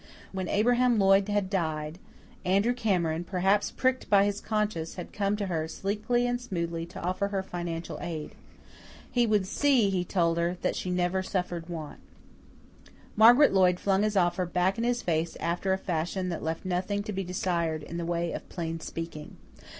When Abraham Lloyd had died, Andrew Cameron, perhaps pricked by his conscience, had come to her, sleekly and smoothly, to offer her financial aid. He would see, he told her, that she never suffered want. Margaret Lloyd flung his offer back in his face after a fashion that left nothing to be desired in the way of plain speaking.